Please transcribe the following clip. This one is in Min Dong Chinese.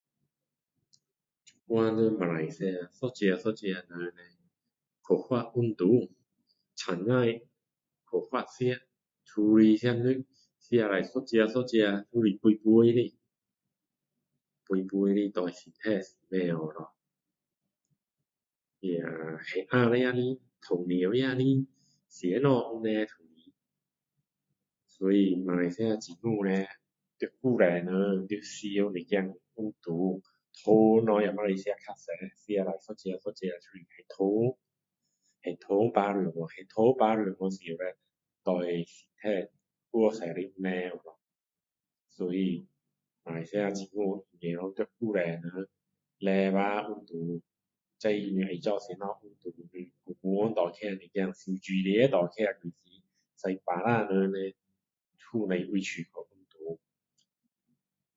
现在马来西亚一个一个人叻缺乏运动青菜缺乏吃都是吃肉吃了一个一个都是肥肥的肥肥的对身体不好咯那血压又来糖尿又来什么问题都来所以马来西亚政府叻要多鼓励人运动糖也不可以吃太多吃了一个一个就是血糖血糖爬上去血糖爬上去时叻对身体太多问题咯所以马来西亚政府应该要鼓励人努力运动随便你要做什么运动公园多建几个游泳池多建几个使人都有地方去运动